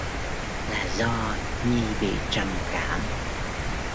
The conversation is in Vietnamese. Là do Nhi bị trầm cảm